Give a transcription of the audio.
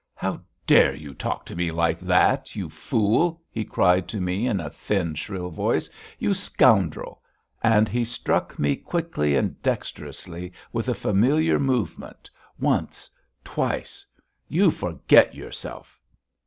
"How dare you talk to me like that, you fool!" he cried to me in a thin, shrill voice. "You scoundrel!" And he struck me quickly and dexterously with a familiar movement; once twice. "You forget yourself!"